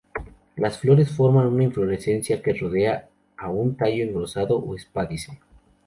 Las flores forman una inflorescencia que rodea a un tallo engrosado o espádice.